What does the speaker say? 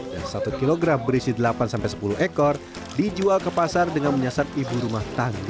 dan satu kilogram berisi delapan sampai sepuluh ekor dijual ke pasar dengan menyasar ibu rumah tangga